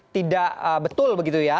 tidak betul begitu ya